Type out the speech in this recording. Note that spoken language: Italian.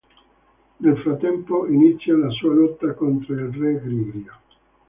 Nel frattempo, inizia la sua lotta contro il Re Grigio.